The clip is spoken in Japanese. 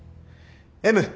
Ｍ。